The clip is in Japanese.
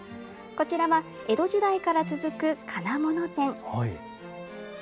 こちらは、江戸時代から続く金物店。